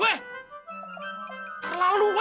keterlaluan lu ya